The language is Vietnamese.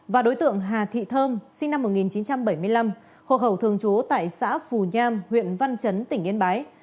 và đối tượng hà thị thơm sinh năm một nghìn chín trăm bảy mươi năm hộ khẩu thường trú tại xã phù nham huyện văn chấn tỉnh yên bái